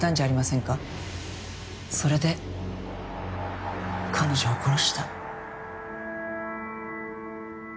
それで彼女を殺した。